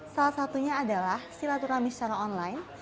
salah satunya adalah silaturahmi secara online